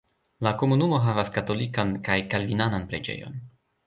La komunumo havas katolikan kaj kalvinanan preĝejojn.